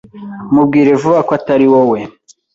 Mubwire vuba ko atari wowe